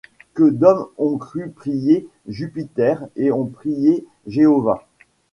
Que d’hommes ont cru prier Jupiter et ont prié Jéhovah!